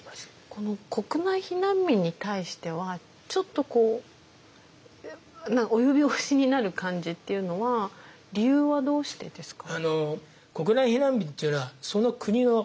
この国内避難民に対してはちょっとこう及び腰になる感じっていうのは理由はどうしてですか？